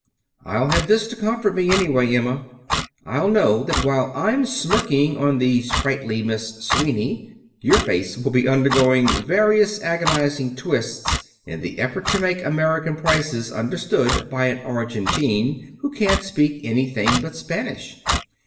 "I'll have this to comfort me, anyway, Emma. I'll know that while I'm smirking on the sprightly Miss Sweeney, your face will be undergoing various agonizing twists in the effort to make American prices understood by an Argentine who can't speak anything but Spanish."